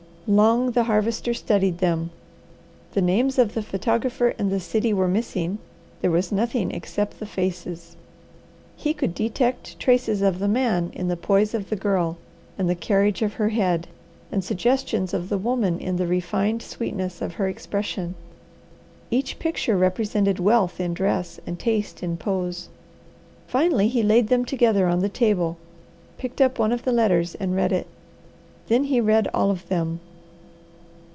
Long the Harvester studied them. The names of the photographer and the city were missing. There was nothing except the faces. He could detect traces of the man in the poise of the Girl and the carriage of her head, and suggestions of the woman in the refined sweetness of her expression. Each picture represented wealth in dress and taste in pose. Finally he laid them together on the table, picked up one of the letters, and read it. Then he read all of them.